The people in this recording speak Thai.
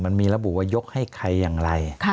มันมีระบุว่ายกให้ใครอย่างไร